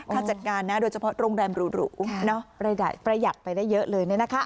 ค่าจัดงานน่ะโดยเฉพาะโรงแรมหรูหรูเนอะประหยัดไปได้เยอะเลยนี่นะคะ